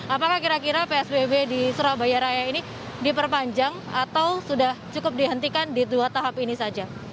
apakah kira kira psbb di surabaya raya ini diperpanjang atau sudah cukup dihentikan di dua tahap ini saja